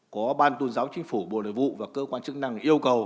có ban tôn giáo chính phủ bộ nội vụ và cơ quan chức năng yêu cầu